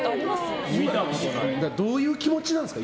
どういう気持ちなんですか？